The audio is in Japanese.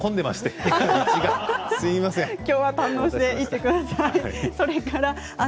笑い声きょうは堪能していってください。